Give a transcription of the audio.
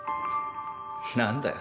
何だよ？